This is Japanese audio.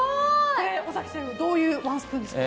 尾崎さん、どういうワンスプーンですか？